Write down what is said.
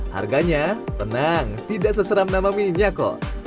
harganya tenang tidak seseram nama mie nya kok